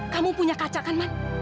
kamu punya kaca kan man